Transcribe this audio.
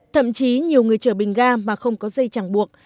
thậm chí nhiều người chở bình ga mà không có dây chẳng buộc